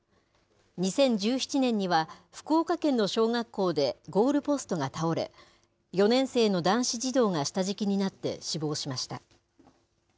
２０１７年には、福岡県の小学校で、ゴールポストが倒れ、４年生の男子児童が下敷きになって死亡しました。